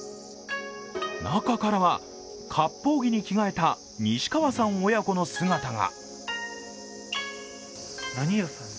中からは、かっぽう着に着替えた西川さん親子の姿が。